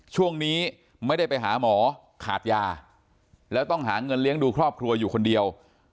ช่วงนี้ไม่ได้ไปหาหมอขาดยาแล้วต้องหาเงินเลี้ยงดูครอบครัวอยู่คนเดียว